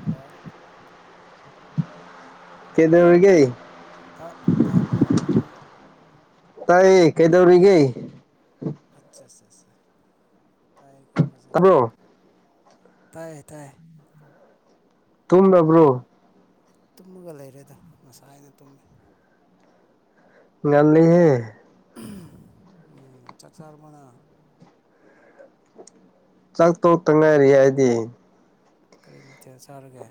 hello ꯀꯦꯗꯧꯔꯤꯒꯦ ꯇꯥ ꯇꯥꯕ꯭ꯔꯣ ꯇꯥꯏꯌꯦ ꯀꯩꯗꯧꯔꯤꯒꯦ ꯑꯠꯁꯥ ꯁꯥ ꯁꯥ ꯇꯥꯏꯌꯦꯀꯣ ꯐꯖꯅ ꯇꯥꯕ꯭ꯔꯣ ꯇꯥꯏꯌꯦ ꯇꯥꯏꯌꯦ ꯇꯨꯝꯂꯕ꯭ꯔꯣ ꯇꯨꯝꯃꯒ ꯂꯩꯔꯦꯗ ꯉꯁꯥꯏꯅ ꯇꯨꯝꯃꯦ ꯉꯜꯂꯤꯍꯦ ꯎꯝ ꯆꯥꯛ ꯆꯥꯔꯕꯣ ꯅꯪ ꯆꯥꯛ ꯇꯣꯛꯇ ꯉꯥꯏꯔꯤ ꯍꯥꯏꯗꯤ ꯀꯔꯤ ꯃꯊꯦꯜ ꯆꯥꯔꯒꯦ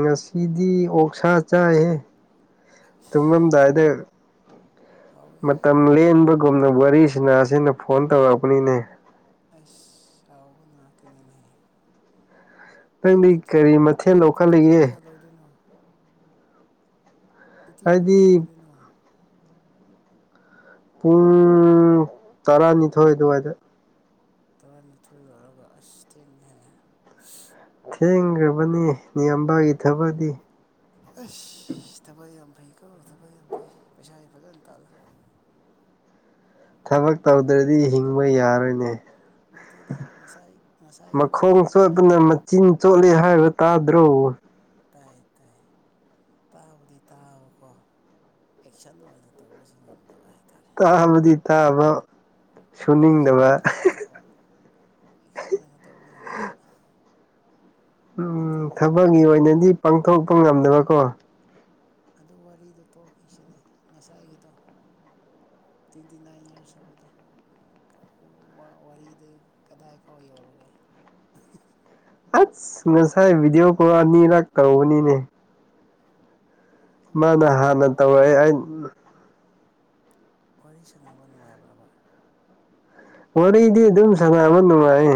ꯉꯁꯤꯗꯤ ꯑꯣꯛꯁꯥ ꯆꯥꯏꯍꯦ ꯑꯩꯁ ꯇꯨꯝꯃꯝꯗꯥꯏꯗ ꯍꯥꯎꯋꯦꯍꯦ ꯃꯇꯝ ꯂꯦꯟꯕ ꯆꯨꯨꯝꯅ ꯋꯥꯔꯤ ꯁꯥꯟꯅꯁꯤꯅ ꯐꯣꯟ ꯇꯧꯔꯛꯄꯅꯤꯅꯦ ꯑꯁ ꯁꯥꯎꯕ ꯉꯥꯛꯇꯅꯤꯅꯦꯍꯦ ꯅꯣꯏ ꯅꯪꯗꯤ ꯗ꯭ꯌꯨꯇꯤ ꯄꯨꯡ ꯀꯔꯤ ꯃꯊꯦꯜ ꯅꯪ ꯗ꯭ꯌꯨꯇꯤ ꯂꯧꯈꯠꯂꯤꯒꯦ ꯄꯨꯡ ꯀꯌꯥ ꯂꯣꯏꯗꯣꯏꯅꯣ ꯗ꯭ꯌꯨꯇꯤ ꯄꯨꯡ ꯑꯩꯗꯤ ꯀꯌꯥ ꯂꯣꯏꯗꯣꯏꯅꯣ ꯄꯨꯡ ꯇꯔꯥꯅꯤꯊꯣꯏ ꯑꯗꯨꯋꯥꯏꯗ ꯇꯔꯥꯅꯤꯊꯣꯏ ꯂꯥꯛꯑꯒ ꯑꯁ ꯊꯦꯡꯉꯦꯍꯦ ꯊꯦꯡꯈ꯭ꯔꯕꯅꯤ ꯅꯤꯌꯥꯝꯕꯥꯒꯤ ꯊꯕꯛꯗꯤ ꯑꯁ ꯊꯕꯛ ꯌꯥꯝ ꯐꯩ ꯀꫭ ꯊꯕꯛ ꯌꯥꯝ ꯐꯩ ꯄꯩꯁꯥꯗꯤ ꯐꯖꯅ ꯇꯥꯜꯂꫭ ꯊꯕꯛ ꯇꯧꯗ꯭ꯔꯗꯤ ꯍꯤꯡꯕ ꯌꯥꯔꯣꯏꯅꯦ ꯅꯠꯇꯦꯗꯦ ꯉꯁꯥꯏ ꯉꯁꯥꯏꯒꯤ ꯃꯈꯣꯡ ꯋꯥꯔꯤꯗꯣ ꯀꯃꯥꯏꯅ ꯆꯣꯠꯄꯅ ꯃꯆꯤꯟ ꯆꯣꯠꯂꯦ ꯍꯥꯏꯕ ꯇꯥꯗ꯭ꯔꯣ ꯇꯥꯏꯌꯦ ꯇꯥꯏꯌꯦ ꯇꯥꯕꯨꯗꯤ ꯇꯥꯕꯀꯣ ꯑꯦꯛꯁꯟ ꯑꯣꯏꯅ ꯇꯧꯕꯁꯤ ꯉꯝꯗꯕ ꯍꯥꯏꯇꯥꯔꯦ ꯇꯥꯕꯗꯤ ꯇꯕꯥ ꯑꯦꯛꯁꯟ ꯑꯣꯏꯅ ꯄꯥꯡꯊꯣꯛꯄ ꯑꯦꯛꯁꯟ ꯑꯣꯏꯅ ꯇꯧꯕ ꯉꯝꯗꯕ ꯎꯝ ꯅꯠꯇꯦꯅꯦ ꯊꯕꯛꯀꯤ ꯑꯗꯨ ꯑꯣꯏꯅꯗꯤ ꯄꯥꯡꯊꯣꯛꯄ ꯉꯝꯗꯅꯕꯀꯣ ꯑꯗꯨ ꯋꯥꯔꯤꯗꫭ ꯇꯣꯛꯈꯤꯁꯤꯅꯦ ꯉꯁꯥꯏꯒꯤꯗꯣ ꯇ꯭ꯋꯦꯟꯇꯤ ꯅꯥꯏꯟ ꯏꯔꯁ ꯍꯥꯏꯕꯗꫭ ꯋꯥꯔꯤꯗꯨ ꯀꯗꯥꯏ ꯐꯥꯎ ꯌꯧꯔꯒꯦ ꯑꯁ ꯉꯁꯥꯏ ꯚꯤꯗꯤꯑꯣ ꯀꯣ ꯑꯅꯤꯔꯛ ꯇꯧꯕꯅꯤꯅꯦ ꯑꯗꯨꯝ ꯃꯥꯅ ꯍꯥꯟꯅ ꯅꯨꯡꯉꯥꯏꯕ꯭ꯔꯕ ꯋꯥꯔꯤ ꯇꯧꯔꯛꯑꯦ ꯑꯩ ꯋꯥꯔꯤ ꯁꯥꯟꯅꯕ ꯅꯨꯡꯉꯥꯏꯕ꯭ꯔꯕ ꯋꯥꯔꯤꯗꯤ ꯑꯗꯨꯝ ꯁꯥꯟꯅꯕ ꯅꯨꯡꯉꯥꯏ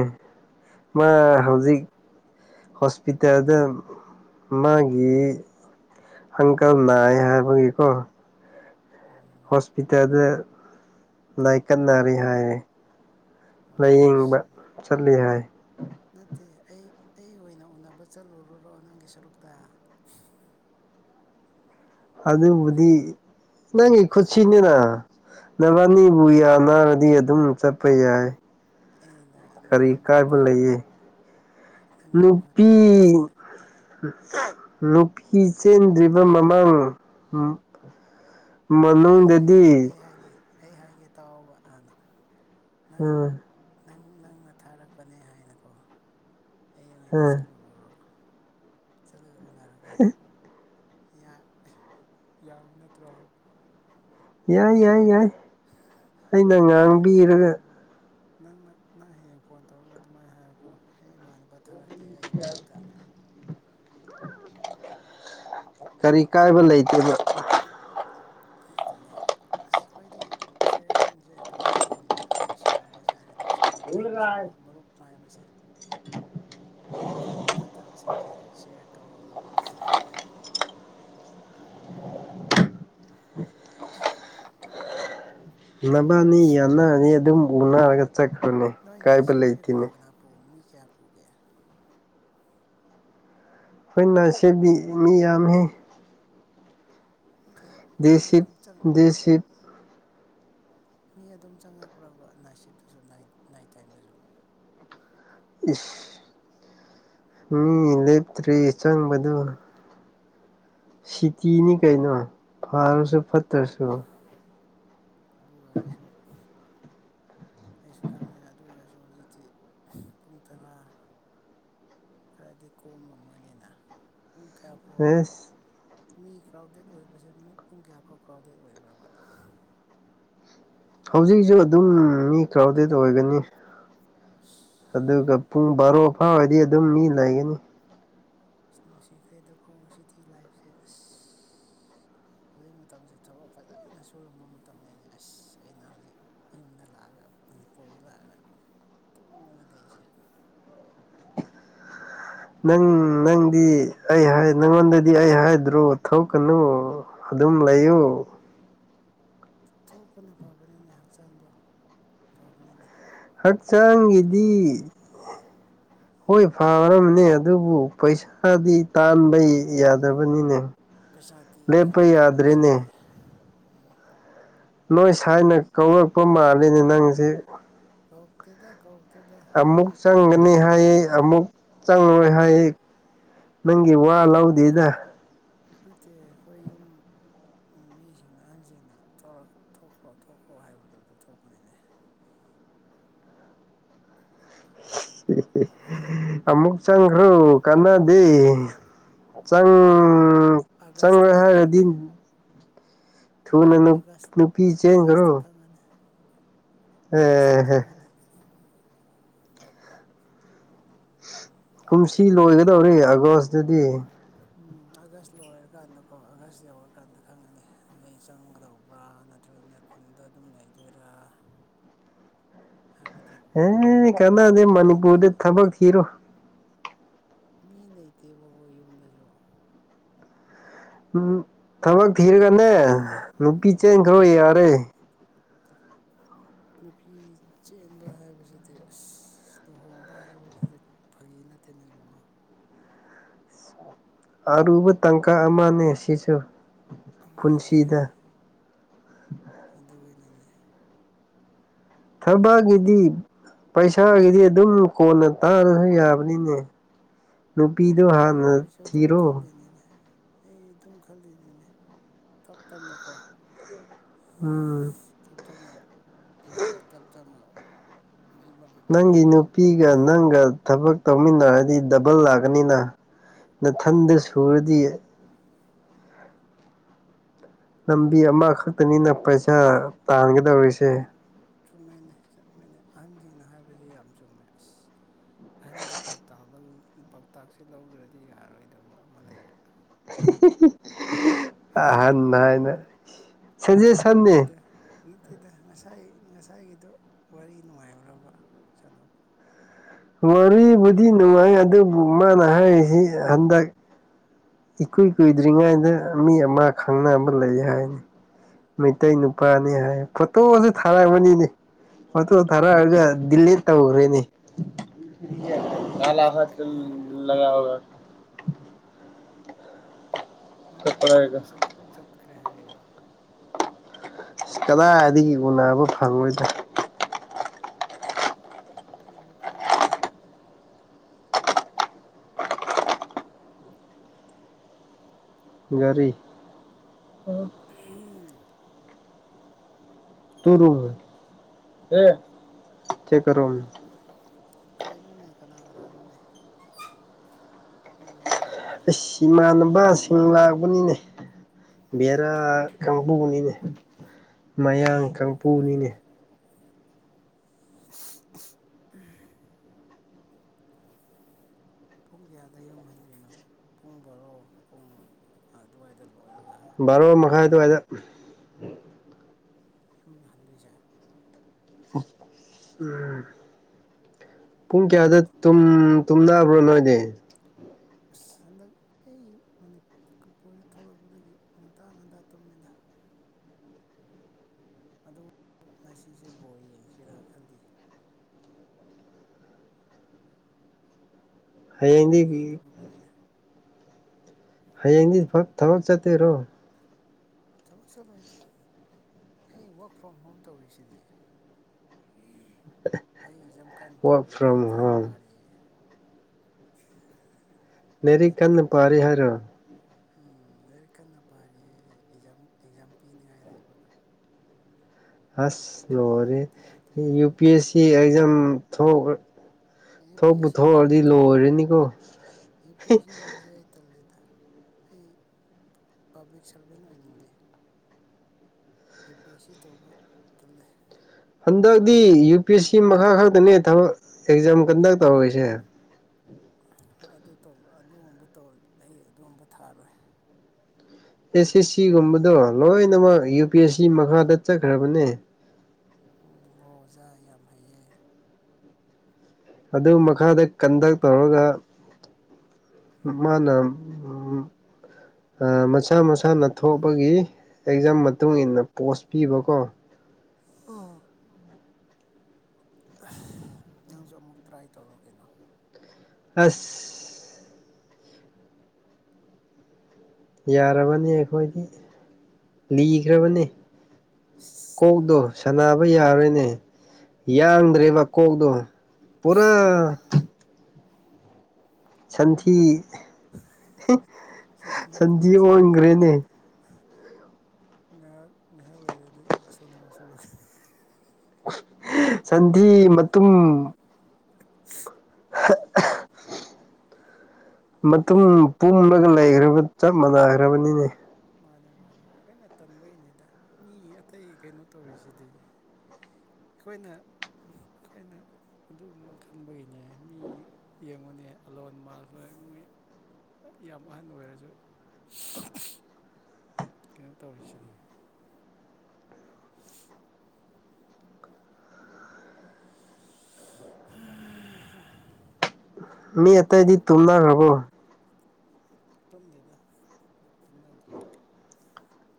ꯃꯥ ꯑꯣ ꯍꯧꯖꯤꯛ ꯍꯣꯁꯄꯤꯇꯥꯜꯗ ꯃꯥꯒꯤ ꯍꯪꯀꯜ ꯅꯥꯏ ꯍꯥꯏꯕꯒꯤꯀꯣ ꯎꯝ ꯏꯇꯗ ꯂꯥꯏꯀꯠꯅꯔꯤ ꯍꯥꯏ ꯑꯣ ꯂꯥꯏꯌꯦꯡꯕ ꯑꯁ ꯆꯠꯂꯤ ꯍꯥꯏ ꯅꯠꯇꯦ ꯑꯩ ꯑꯩ ꯑꯣꯏꯅ ꯎꯅꯕ ꯆꯠꯂꯨꯔꯨꯔꯣ ꯅꯪꯒꯤ ꯁꯔꯨꯛꯇ ꯑꯗꯨꯕꯨꯗꯤ ꯅꯪꯒꯤ ꯈꯨꯠꯁꯤꯅꯤꯅ ꯅꯕꯥꯅꯤꯕꯨ ꯅꯠꯇꯦꯗ ꯌꯥꯅꯔꯗꯤ ꯑꯗꯨꯝ ꯆꯠ ꯄꯌꯥꯏ ꯑꯩꯅ ꯀꯔꯤ ꯅꯪꯒꯤ ꯃꯍꯨꯠꯇ ꯀꯥꯏꯕ ꯑꯩꯅ ꯂꯩꯌꯦ ꯅꯪꯒꯤ ꯅꯨꯄꯤ ꯃꯍꯨꯠꯇ ꯅꯨꯄꯤ ꯑꯩ ꯆꯦꯟꯗ꯭ꯔꯤꯕ ꯃ ꯑꯩ ꯍꯥꯏꯒꯦ ꯃꯅꯨꯡꯗꯗꯤ ꯑꯩ ꯍꯥꯏꯒꯦ ꯑꯩ ꯍꯥꯏꯒꯦ ꯇꯥꯎꯕ ꯍꯥꯟꯅ ꯅꯪ ꯎꯝ ꯅꯪ ꯅꯪꯅ ꯊꯥꯔꯛꯄꯅꯦ ꯍꯥꯏꯅꯀꯣ ꯑꯩ ꯑꯣꯏꯅ ꯎꯝ ꯆꯠꯂꯨꯔꯨꯔꯣ ꯆꯠꯂꯒ ꯎꯅꯔꯒꯦ ꯌꯥꯕ ꯅꯠꯇ꯭ꯔꯣ ꯌꯥꯏ ꯌꯥꯏ ꯌꯥꯏ ꯑꯩꯅ ꯅꯪ ꯍꯌꯦꯡ ꯉꯥꯡꯕꯤꯔꯒ ꯅꯪꯅ ꯅꯪ ꯍꯌꯦꯡ ꯐꯣꯟ ꯇꯧꯔꯒ ꯑꯗꯨꯃꯥꯏꯅ ꯍꯥꯏꯌꯀꯣ ꯑꯦ ꯏꯃꯥꯟꯅꯕ ꯊꯥꯔꯛꯀꯦ ꯑꯩꯒꯤ ꯃꯍꯨꯠꯇꯅ ꯀꯔꯤ ꯀꯥꯏꯕ ꯂꯩꯇꯦꯕ ꯑꯗꯨꯅꯦꯕ ꯑꯁ ꯑꯩꯈꯣꯏꯗꯤ ꯆꯦꯟꯒꯦ ꯇꯧꯒꯗꯧꯕꯅꯤꯅ ꯅꯨꯡꯁꯤꯅꯕ ꯁꯥꯏ ꯅꯨꯡꯁꯤꯅꯕ ꯍꯥꯏꯕꯁꯦꯀꯣ ꯃꯔꯨꯞ ꯃꯥꯏꯕꯁꯦ [inaudible] ꯑꯐꯕ ꯐꯠꯇꯕꯁꯤꯡꯖꯦ ꯁꯤꯌꯔ ꯇꯧꯒꯗꯧꯕꯅꯦ ꯑꯥ ꯅꯕꯥꯅꯤ ꯌꯥꯟꯅꯔꯅꯤ ꯑꯗꯨꯝ ꯎꯅꯔꯒ ꯆꯠꯄꯅꯦ ꯅꯣꯏ ꯅꯥꯏꯠ ꯀꯥꯏꯕ ꯁꯤꯞꯁꯦ ꯂꯩꯇꯦꯅꯦ ꯀꯅꯥ ꯀꯅꯥ ꯄꯨ ꯃꯤ ꯀꯌꯥ ꯄꯨꯒꯦ ꯑꯩꯈꯣꯏꯅꯅꯥꯁꯦꯕꯤ ꯃꯤ ꯌꯥꯝꯃꯤ ꯅꯠꯇꯦ ꯃꯤ ꯗꯦꯁꯤꯞ ꯑꯗꯨꯝ ꯆꯪ ꯗꯦꯁꯤꯞ ꯃꯤ ꯑꯗꯨꯝ ꯆꯪꯉꯛꯄ꯭ꯔꯕ ꯅꯥꯏꯠ ꯁꯤꯞꯇꯁꯨ ꯏ ꯅꯥꯏꯠ ꯇꯥꯏꯝꯗꯁꯨ ꯏꯁ [unintelligible] ꯎꯝ ꯂꯦꯞꯇ꯭ꯔꯤ ꯆꯪꯕꯗꯨ ꯁꯤꯇꯤꯅꯤ ꯀꯩꯅꯣ ꯐꯔꯁꯨ ꯐꯠꯇ꯭ꯔꯁꯨ ꯑꯗꯨ ꯑꯣꯏꯔꯁꯨ ꯑꯩꯁꯨ ꯈꯪꯉꯦ ꯑꯗꯨ ꯑꯣꯏꯔꯁꯨ ꯍꯧꯖꯤꯛꯇꯤ ꯄꯨꯡ ꯇꯔꯥ ꯈꯔꯗꯤ ꯀꯣꯝꯃꯝꯃꯅꯤꯅ ꯄꯨꯡ ꯀꯌꯥꯐꯥꯎ ꯑꯦꯁ ꯃꯤ ꯀ꯭ꯔꯥꯎꯗꯦꯠ ꯑꯣꯏꯕꯁꯦ ꯃꯤ ꯄꯨꯡ ꯀꯌꯥꯐꯥꯎ ꯀ꯭ꯔꯥꯎꯗꯦꯗ ꯑꯣꯏꯕ꯭ꯔꯕ ꯍꯧꯖꯤꯛꯁꯨ ꯑꯗꯨꯝ ꯃꯤ ꯀ꯭ꯔꯥꯎꯗꯦꯠ ꯑꯣꯏꯒꯅꯤ ꯢꯁ ꯑꯗꯨꯒ ꯄꯨꯡ ꯕꯥꯔꯣ ꯐꯥꯎꯕꯗꯤ ꯑꯗꯨꯝ ꯃꯤ ꯂꯩꯒꯅꯤ ꯏꯁꯅꯨꯡ ꯁꯤꯈ꯭ꯔꯦꯗꯀꯣ ꯁꯤꯇꯤ ꯂꯥꯏꯐꯁꯦ ꯑꯁ ꯑ ꯍꯧꯖꯤꯛ ꯃꯇꯝꯁꯦ ꯊꯕꯛ ꯐꯖꯅ ꯁꯨꯔꯝꯕ ꯃꯇꯝꯅꯤꯅꯦ ꯑꯁ ꯑꯩꯅ ꯍꯧꯖꯤꯛ ꯌꯨꯝꯗ ꯂꯥꯛꯑꯒ ꯃꯅꯤꯄꯨꯔꯗ ꯂꯥꯛꯑꯒ ꯇꯨꯝꯃꯒ ꯂꯩꯔꯤꯁꯦ ꯅꯪ ꯅꯪꯗꯤ ꯑꯩ ꯍꯥꯏ ꯅꯪꯉꯣꯟꯗꯗꯤ ꯑꯩ ꯍꯥꯏꯗ꯭ꯔꯣ ꯊꯣꯛ ꯀꯅꯨ ꯑꯗꯨꯝ ꯂꯩꯌꯨ ꯊꯣꯛꯄꯅ ꯐꯕꯅꯤꯅꯦ ꯍꯛꯆꯥꯡꯗꯣ ꯐꯕꯅꯤꯅꯦ ꯑꯥꯗ ꯍꯛꯆꯥꯡꯒꯤꯗꯤ ꯂꯩꯔꯗꯤ ꯍꯣꯏ ꯐꯥꯒꯗꯕꯅꯦ ꯑꯗꯨꯕꯨ ꯄꯩꯁꯥꯗꯤ ꯇꯥꯟꯕ ꯌꯥꯗꯕꯅꯤꯅꯦ ꯄꯩꯁꯥꯇꯤ ꯂꯦꯞꯄ ꯈꯔ ꯇꯥꯟꯕꯁꯦ ꯌꯥꯗ꯭ꯔꯦꯅꯦ ꯋꯥꯏ ꯎ ꯅꯣꯏ ꯁꯥꯏꯅ ꯀꯧꯔꯛꯄ ꯃꯥꯜꯂꯤꯅꯦ ꯅꯪꯖꯦ ꯀꯧꯇꯦꯗ ꯀꯧꯇꯦꯗ ꯑꯩꯈꯣꯏ ꯈ ꯑꯩꯈꯣꯏ ꯌꯨꯝ ꯆꯪꯔꯔꯣꯏ ꯍꯥꯏꯌꯦ ꯅꯪꯒꯤ ꯋꯥ ꯑꯩꯈꯣꯏ ꯂꯧꯗꯦꯗ ꯅꯠꯇꯦ ꯑꯩꯈꯣꯏ ꯌꯨꯝ ꯌꯨꯝ ꯃꯤꯁꯤꯡꯅ ꯑꯍꯟꯁꯤꯡꯅ ꯊꯣꯔꯛ ꯊꯣꯛꯈ꯭ꯔꯣ ꯊꯣꯛꯈ꯭ꯔꯣ ꯍꯥꯏꯕꯗꯨꯗ ꯊꯣꯛꯄꯅꯤꯅꯦ [unintelligible] ꯑꯃꯨꯛ ꯆꯪꯈ꯭ꯔꯣ ꯀꯟꯅꯗꯦ ꯅꯪ ꯑꯥꯒꯁꯇ ꯆꯪꯔꯣꯏ ꯈꯪꯒꯅꯤ ꯍꯥꯏꯔꯗꯤ ꯊꯨꯅ ꯅꯨ ꯑꯥꯒꯁ ꯅꯨꯄꯤ ꯆꯦꯟꯈ꯭ꯔꯣ ꯑꯥꯒꯁꯇ ꯈꯪꯉꯅꯤ ꯑꯥꯒꯁꯇ ꯑꯦꯍꯦ ꯈꯪꯉꯅꯤ ꯀꯨꯝꯁꯤ ꯂꯣꯏꯒꯗꯧꯔꯤ ꯑꯥꯒꯁꯇꯗꯤ ꯎꯝ ꯑꯥꯒꯁ ꯂꯣꯏꯔꯀꯥꯟꯗꯀꯣ ꯑꯥꯒꯁ ꯌꯧꯔꯀꯥꯟꯗ ꯈꯪꯉꯅꯤ ꯑꯩ ꯆꯪꯒꯗꯧꯕ꯭ꯔꯥ ꯅ ꯅꯇ꯭ꯔꯅ ꯈꯨꯟꯗ ꯑꯗꯨꯝ ꯂꯩꯗꯣꯏꯔꯥ [unintelligible] ꯍꯥꯏꯕꯗꯣ ꯎꯝ ꯀꯥꯟꯅꯥꯗꯦ ꯃꯤ ꯂꯩꯇꯦ ꯃꯅꯤꯄꯨꯔꯗ ꯊꯕꯛ ꯊꯤꯔꯣ ꯃꯤ ꯂꯩꯇꯦꯕꯀꯣ ꯌꯨꯝꯗꯁꯨ ꯎꯝ ꯊꯕꯛ ꯊꯤꯔꯒꯅꯦ ꯅꯨꯄꯤ ꯎꯝ ꯆꯦꯟꯈ꯭ꯔꯣ ꯌꯥꯔꯦ ꯅꯨꯄꯤ ꯆꯦꯟꯕ ꯍꯥꯏꯕꯁꯤꯗꯤ ꯑꯁ ꯏꯁ ꯂꯨꯍꯣꯡꯕ ꯍꯥꯏꯕꯁꯤꯗꯤ ꯐꯥꯒꯤ ꯅꯠꯇꯦꯅ ꯏꯕꯨꯡꯉꯣ ꯑꯔꯨꯕ ꯇꯥꯡꯀꯛ ꯑꯃꯅꯦ ꯁꯤꯁꯨ ꯃꯥꯅꯦ ꯄꯨꯟꯁꯤꯗ ꯑꯗꯨꯒꯤꯅꯤꯅꯦ ꯊꯕꯛꯒꯤꯗꯤ ꯄꯩꯁꯥꯒꯤꯗꯤ ꯑꯗꯨꯝ ꯀꯣꯟꯅ ꯇꯥꯜꯔꯁꯨ ꯌꯥꯕꯅꯤꯅꯦ ꯅꯨꯄꯤꯗꯣ ꯍꯣꯏ ꯍꯥꯟꯅ ꯑꯩꯁꯨ ꯑꯗꯨꯝ ꯊꯤꯔꯣ [unintelligible] ꯑꯩ ꯑꯗꯨꯝ ꯈꯜꯂꯤꯅꯦꯅꯦ ꯇꯞ ꯇꯞꯅꯀꯣ ꯎꯝ [unintelligible] ꯊꯛꯇꯅ ꯂꯩꯔꯒ ꯇꯞ ꯇꯥꯅ ꯃꯥꯏ [unintelligible] ꯅꯪꯒꯤ ꯅꯨꯄꯤꯒ ꯅꯪꯒ ꯊꯕꯛ ꯇꯧꯃꯤꯟꯅꯔꯗꯤ ꯗꯕꯜ ꯂꯥꯛꯀꯅꯤꯅꯥ ꯅꯊꯟꯗꯥ ꯎꯝ ꯁꯨꯔꯗꯤ ꯂꯝꯕꯤ ꯑꯃꯈꯛꯇꯅꯤꯅ ꯄꯩꯁꯥ ꯇꯥꯟꯒꯗꯧꯔꯤ [unintelligible] ꯆꯨꯝꯃꯦꯅꯦ ꯆꯨꯝꯃ‌ꯦꯅꯦ ꯑꯍꯟꯁꯤꯡꯅ ꯍꯥꯏꯕꯖ‌ꯦ ꯌꯥꯝ ꯆꯨꯝꯃꯦ ꯑꯁ ꯑꯍꯟꯒꯤ ꯄꯥꯎꯇꯥꯛ ꯂꯧ ꯄꯥꯎꯇꯥꯛꯁꯦ ꯂꯧꯗ꯭ꯔꯗꯤ ꯌꯥꯔꯣꯏꯗꯕ ꯑꯃ ꯂꯩꯔꯦ [unintelligible] ꯑꯍꯟ ꯍꯥꯏꯅ ꯁꯖꯦꯁꯟꯅꯤ ꯅꯠꯇꯦꯗꯥ ꯅꯠ ꯇꯦꯗ ꯉꯁꯥꯏ ꯉꯁꯥꯏꯒꯤꯗꯣ ꯋꯥꯔꯤ ꯅꯨꯡꯉꯥꯏꯕ꯭ꯔ‌ꯣꯕ‌ ꯁꯥꯟꯅꯕ ꯋꯥꯔꯤꯕꯨꯗꯤ ꯅꯨꯡꯉꯥꯏ ꯑꯗꯨꯕꯨ ꯃꯥꯅ ꯍꯥꯏꯔꯤꯖꯤ ꯍꯟꯗꯛ ꯏꯀꯨꯏ ꯀꯨꯏꯗ꯭ꯔꯤꯉꯩꯗ ꯑ ꯃꯤ ꯑꯃ ꯈꯪꯅꯕ ꯂꯩ ꯍꯥꯏ ꯃꯩꯇꯩ ꯅꯨꯄꯥꯅꯤ ꯍꯥꯏ ꯐꯣꯇꯣꯁꯨ ꯊꯥꯔꯕꯅꯤꯅꯦ ꯐꯣꯇꯣ ꯊꯥꯔꯑꯒ ꯗꯤꯜꯂꯤꯠ ꯇꯧꯒ꯭ꯔꯦꯅꯦ ꯃꯕꯥꯅꯤ ꯎꯅꯕ ꯆꯠꯈ꯭ꯔꯦ ꯍꯥꯏꯔꯣ [unintelligible] ꯃꯕꯥꯅꯤ ꯎꯅꯕ ꯆꯠ ꯆꯠꯈ꯭ꯔꯦ ꯍꯥꯏꯔꯩꯔꯣ ꯑꯁ ꯀꯗꯥꯏꯗꯒꯤ ꯎꯅꯕ ꯐꯪꯉ‌ꯣꯏꯗ ꯎꯝ ꯀꯩꯁꯨ ꯀ꯭ꯔꯥꯏꯗꯦꯗ ꯒꯥꯔꯤ [unintelligible] [unintelligible] [unintelligible] ꯀꯩꯅꯣꯅꯦ ꯀꯅꯥ ꯀꯅꯥꯅꯣꯅꯦ ꯃꯤ ꯌꯥꯝ ꯑꯁ ꯏꯃꯥꯟꯅꯕꯁꯤꯡ ꯂꯥꯛꯕꯅꯤꯅꯦ ꯕ‌ꯦꯔꯥ ꯀꯥꯡꯕꯨꯅꯤꯅꯦ ꯃꯌꯥꯡ ꯅꯪ ꯀꯥꯡꯕꯨꯅꯤꯅꯦ ꯎꯝ [unintelligible] ꯄꯨꯡ ꯀꯌꯥꯗ ꯌꯨꯝ ꯍꯟꯗꯣꯏꯅꯣ ꯄꯨꯡ ꯕꯥꯔꯣ ꯄꯨꯡ ꯑꯗꯨꯋꯥꯏꯗ ꯂꯣꯏꯔꯒ ꯕꯥꯔꯣ ꯃꯈꯥꯏ ꯑꯗꯨꯋꯥꯏꯗ ꯌꯨꯝꯗ ꯍꯟꯗꯣꯏꯁꯦ [unintelligible] ꯄꯨꯡ ꯀꯌꯥꯗ ꯇꯨꯝ ꯇꯨꯝꯅꯕ꯭ꯔꯣ ꯅꯣꯏꯗꯤ ꯑꯁ ꯍꯟꯗꯛ ꯑꯩ ꯃꯅꯤ ꯀꯄꯨꯔ ꯊꯣꯛꯂꯛꯄꯗꯒꯤ ꯉꯟꯇꯥ ꯉꯟꯇꯥ ꯇꯨꯝꯃꯦꯗ ꯑꯗꯨ ꯉꯁꯤꯁꯦ ꯕꯣꯜ ꯌꯦꯡꯁꯤꯔꯥ ꯈꯜꯂꯤ ꯍꯌꯦꯡꯗꯤ ꯕ‌ꯣꯜ ꯌꯦꯡꯗꯕ ꯀꯨꯏꯔ [unintelligible] ꯍꯌꯦꯡꯗꯤ ꯏꯐꯛ ꯊꯕꯛ ꯆꯠꯇꯣꯏꯔꯣ ꯊꯕꯛ ꯆꯠꯂꯣꯏꯗ ꯑꯩ ꯋꯥꯔ꯭ꯛ ꯐ꯭ꯔꯣꯝ ꯍꯣꯝ ꯇꯧꯔꯤꯁꯤꯗꯤ ꯑꯩ ꯑꯦꯛꯖꯝ ꯀꯟ ꯋꯥꯔꯛ ꯇꯧꯔꯤ ꯐ꯭ꯔꯣꯝ ꯂꯥꯏꯔꯤꯛ ꯀꯟ ꯍꯣꯝ ꯄꯥꯔꯤ [unintelligible] ꯂꯩꯔꯤꯛ ꯀꯟꯅ ꯄꯥꯔꯤ ꯍꯥꯏꯔꯣ ꯎꯝ ꯂꯩꯔꯤꯛ ꯀꯟꯅ ꯄꯥꯔꯤꯌꯦ ꯑꯦꯛꯖꯥꯝ ꯑꯦꯛꯖꯥꯝ ꯄꯤꯅꯥꯉꯥꯏ ꯂꯩꯕ ꯑꯁ ꯂꯥꯏꯔꯤꯛ ꯂ‌ꯣꯏꯔꯦ ꯄꯥꯗ꯭ꯔꯗꯤ ꯌꯥꯗ꯭ꯔꯦ U P S C exam ꯊꯣꯛ ꯌꯨ ꯄꯤ ꯊꯣꯛꯄꯨ ꯑꯦꯁ ꯁꯤꯒꯨꯝꯕ ꯊꯣꯛꯑꯗꯤ ꯅꯠꯇꯦꯗ ꯂꯣꯏꯔꯅꯤꯀꯣ ꯇꯜꯂꯤꯗ ꯑꯩ ꯄꯥꯕ꯭ꯂꯤꯛ ꯁꯥꯔꯚꯦꯟ ꯑꯣꯏꯅꯤꯡꯗꯦ ꯑꯦ ꯄꯤ ꯑꯦꯁ ꯁꯤ ꯇꯧꯕ ꯇꯜꯂꯦ ꯍꯟꯗꯛꯇꯤ ꯌꯨ ꯄꯤ ꯑꯦꯁ ꯁꯤ ꯃꯈꯥ ꯈꯛꯇꯅꯦ ꯊꯕꯛ ꯑꯦꯛꯖꯥꯝ ꯀꯟꯗꯛ ꯇꯧꯔꯤꯁꯦ ꯑꯗꯨꯇꯧ ꯑꯗꯨꯒꯨꯝꯕ ꯇꯧꯔ ꯑꯩ ꯑꯗꯨꯒꯨꯝꯕ ꯊꯥꯔꯣꯏ ꯑꯦꯁ ꯑꯦꯁ ꯁꯤꯒꯨꯝꯕꯗꯣ ꯂꯣꯏꯅꯃꯛ ꯌꯨ ꯄꯤ ꯑꯦꯁ ꯁꯤ ꯃꯈꯥꯗ ꯆꯠꯈ꯭ꯔꯕꯅꯦ ꯎꯝ ꯑꯣ ꯑꯣꯖꯥ ꯌꯥꯝ ꯍꯩꯌꯦ ꯑꯗꯨ ꯃꯈꯥꯗ ꯀꯟꯗꯛ ꯇꯧꯔꯒ ꯃꯥꯅ ꯑꯥ ꯃꯁꯥ ꯃꯁꯥꯅ ꯊꯣꯛꯄꯒꯤ ꯑꯦꯛꯖꯥꯝ ꯃꯇꯨꯡ ꯏꯟꯅ ꯄꯣꯁ ꯄꯤꯕꯀꯣ ꯎꯝ ꯅꯪꯁꯨ ꯑꯃꯨꯛ ꯇ꯭ꯔꯥꯏ ꯇꯧꯔꯣ ꯀꯩꯅꯣ ꯑꯁ ꯑꯁ ꯌꯥꯔꯕꯅꯤ ꯑꯩꯈꯣꯏꯒꯤ ꯂꯤꯈ꯭ꯔꯕꯅꯦ ꯏꯁ ꯀꯣꯛꯗꯣ ꯂꯤꯈ꯭ꯔꯕꯅꯦ ꯁꯅꯕ ꯌꯥꯔꯣꯏꯅꯦ ꯌꯥꯡꯗ꯭ꯔꯦꯕ ꯀꯣꯛꯇꯣ ꯄꯨꯔꯥ ꯁꯟꯊꯤ ꯁꯟꯊꯤ ꯍꯥꯟꯕꯒ ꯆꯞ ꯃꯥꯟꯅꯔꯦ ꯑꯣꯟꯒ꯭ꯔꯦꯅꯦ [inaudible] ꯉꯥꯏꯍꯥꯛ ꯉꯥꯏꯍꯥꯛ ꯂꯩꯔꯗꯤ ꯁꯣꯅꯣꯆꯔꯥ ꯁꯟꯊꯤ ꯃꯇꯨꯝ [unintelligible] ꯃꯇꯨꯡ ꯄꯣꯝꯂꯒ ꯂꯩꯒ꯭ꯔꯕ ꯆꯞ ꯃꯥꯟꯅꯈ꯭ꯔꯕꯅꯤꯅꯦ ꯃꯥꯅꯦ ꯃꯥꯅꯦ ꯑꯩꯈꯣꯏꯅ ꯇꯟꯕꯩꯅꯤꯗ ꯃꯤ ꯑꯇꯩ ꯀꯩꯅꯣ ꯇꯧꯔꯤꯁꯤꯗꯤ ꯑꯩꯈꯣꯏꯅ ꯑꯩꯈꯣꯏꯅ ꯑꯗꯨꯝ ꯈꯟꯕꯒꯤꯅꯦ ꯃꯤ ꯌꯦꯡꯉꯨꯅꯦ ꯑꯂꯣꯟ ꯃꯥꯜ ꯍꯣꯏ ꯃꯣꯏ ꯌꯥꯝ ꯑꯍꯟ ꯑꯣꯏꯔꯁꯨ ꯀꯩꯅꯣ ꯇꯧꯔꯤꯁꯤꯗꯤ [unintelligible] ꯃꯤ ꯑꯥꯇꯩꯗꯤ ꯇꯨꯝꯅꯥ ꯔꯥꯕꯣ ꯇꯨꯝꯗꯦꯗ ꯇꯨꯝꯅꯗ꯭ꯔꯦ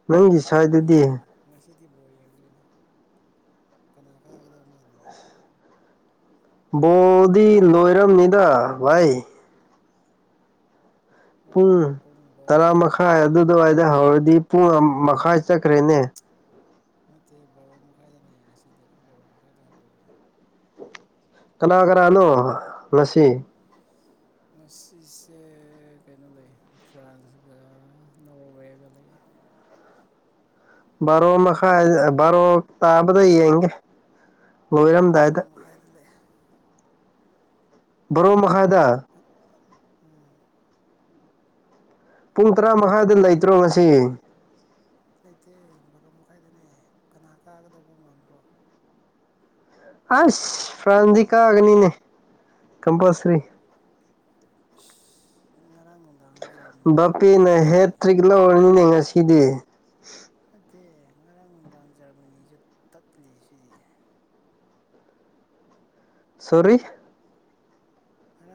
ꯅꯪꯒꯤ ꯕꯣ ꯁꯥꯏꯗꯨꯗꯤ ꯌꯦꯡꯗꯣꯏꯅꯦ ꯉꯁꯤꯗꯤ ꯕꯣꯔ ꯌꯦꯡꯗꯣꯏꯅꯦ ꯀꯅꯥ ꯀꯥꯒꯗꯧ ꯃꯥꯟꯕ꯭ꯔꯥ ꯕꯣꯜꯗꯤ ꯂꯣꯏꯔꯝꯅꯤꯗ ꯚꯥꯏ ꯍꯣꯔꯦꯟ ꯄꯨꯡ ꯕꯥꯔꯣ ꯇꯔꯥ ꯃꯈꯥꯏꯗ ꯃꯈꯥꯏ ꯂꯩꯌꯦ ꯑꯗꯨꯗꯋꯥꯏꯗ ꯍꯧꯔꯗꯤ ꯄꯨꯡ ꯃꯈꯥꯏ ꯆꯠꯈ꯭ꯔꯦꯅꯦ ꯅꯠꯇꯦ ꯕꯥꯔꯣ ꯃꯈꯥꯏꯗꯅꯦ ꯉꯁꯤꯗꯤ ꯕꯥꯔꯣ ꯃꯈꯥꯏꯗ ꯍꯧꯗꯣꯏꯅꯦ ꯀꯅꯥ ꯀꯅꯥꯅꯣ ꯉꯁꯤ ꯉꯁꯤꯁꯦ ꯀꯩꯅꯣ ꯂꯩ ꯐ꯭ꯔꯥꯟꯁꯒ ꯅꯣꯔꯋꯦꯒ ꯂꯩ ꯕꯥꯔꯣ ꯃꯈꯥꯏ ꯕꯥꯔꯣ ꯇꯥꯕꯗ ꯌꯦꯡꯒꯦ ꯕꯣꯔꯣ ꯂꯣꯏꯔꯝꯗꯥꯏꯗ ꯃꯈꯥꯏꯗ ꯂꯩ ꯕꯥꯔꯣ ꯃꯈꯥꯏꯗꯥ ꯎꯝ ꯄꯨꯡ ꯇꯔꯥ ꯃꯈꯥꯏꯗ ꯀꯅꯥ ꯂꯩꯇ꯭ꯔꯣ ꯀꯥ ꯉꯁꯤ ꯂꯩꯇꯦ ꯕꯥꯔꯣ ꯃꯈꯥꯏꯗꯅꯦ ꯀꯅꯥ ꯀꯥꯒꯗꯕ ꯃꯥꯟꯕ꯭ꯔꯣ ꯑꯩꯁ ꯐ꯭ꯔꯥꯟꯁꯇꯤ ꯀꯥꯒꯅꯤꯅꯦ ꯀꯝꯄꯜꯁꯔꯤ ꯑꯁ ꯉꯔꯥꯡ ꯅꯨꯡꯗꯥꯡꯁꯨ ꯖꯔꯝ ꯕꯥꯄ‌ꯦꯅ ꯍꯦꯇ꯭ꯔꯤꯛ ꯂꯧꯔꯅꯤ ꯉꯁꯤꯗꯤ ꯅꯠꯇꯦ ꯉꯔꯥꯡ ꯅꯨꯡꯗꯥꯡ ꯖꯔꯃꯅꯤꯁꯨ ꯇꯠꯂꯤꯁꯤꯗꯤ ꯁꯣꯔꯤ ꯉꯔꯥꯡ